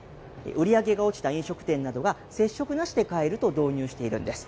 売り上げが落ちた飲食店などが接触なしで買えると導入しているんです。